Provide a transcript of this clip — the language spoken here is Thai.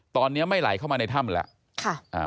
ตอนนี้ไม่ไหลเข้ามาในถ้ำแล้ว